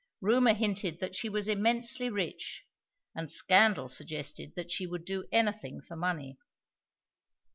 Rumor hinted that she was immensely rich, and scandal suggested that she would do anything for money.